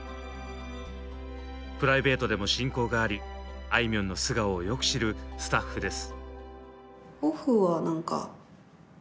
プライベートでも親交がありあいみょんの素顔をよく知るスタッフです。